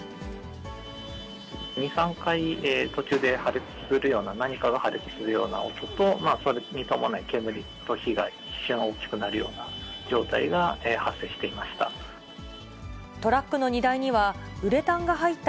２、３回、途中で破裂するような、何かが破裂するような音と、それに伴い、煙と火が一瞬大きくなるような状態が発生していました。